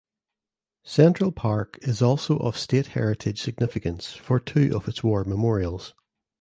Central Park is also of state heritage significance for two of its war memorials.